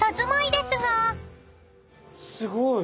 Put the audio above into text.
すごい。